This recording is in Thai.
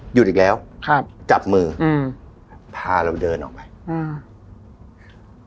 หยุดอีกแล้วครับจับมืออืมพาเราเดินออกไปอืม